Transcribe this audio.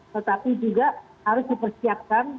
tetapi juga harus dipersiapkan